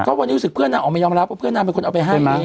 ก็วันนี้รู้สึกเพื่อนนางออกมายอมรับว่าเพื่อนนางเป็นคนเอาไปให้